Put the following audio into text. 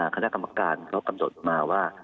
คณะกรรมการเขากำหนดมาว่า